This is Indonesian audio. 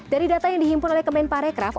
dari data yang dihimpun oleh kemen parekraf